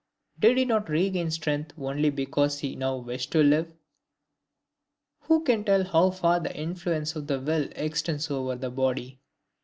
Did he not regain strength only because he now wished to live? Who can tell how far the influence of the will extends over the body?